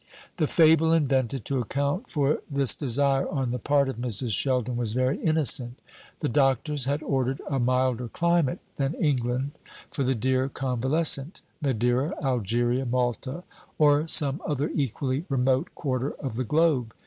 The fable invented to account for this desire on the part of Mrs. Sheldon was very innocent. The doctors had ordered a milder climate than England for the dear convalescent Madeira, Algeria, Malta or some other equally remote quarter of the globe.